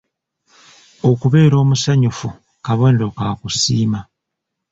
Okubeera omusanyufu kabonero ka kusiima.